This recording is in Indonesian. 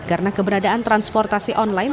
karena keberadaan transportasi online